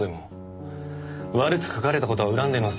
悪く書かれた事は恨んでいます。